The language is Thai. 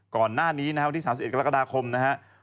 ก่อนหน้านี้นะครับวันที่๓๑กรกฎาคมนะครับ